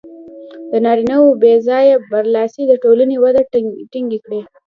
د نارینهوو بې ځایه برلاسي د ټولنې وده ټکنۍ کړې.